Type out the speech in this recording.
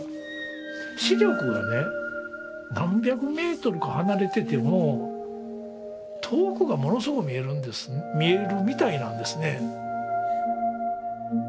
視力がね何百メートルか離れてても遠くがものすごく見えるみたいなんですね。